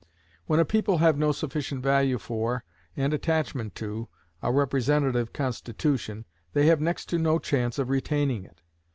When a people have no sufficient value for, and attachment to, a representative constitution, they have next to no chance of retaining it.